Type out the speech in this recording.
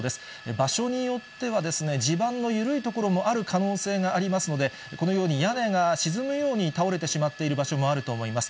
場所によっては地盤の緩い所もある可能性がありますので、このように屋根が沈むように倒れてしまっている場所もあると思います。